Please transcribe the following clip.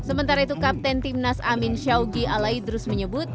sementara itu kapten timnas amin syawgi alaidrus menyebut